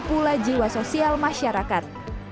pula jiwa sosial masyarakat